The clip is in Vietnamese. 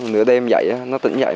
nửa đêm dậy nó tỉnh dậy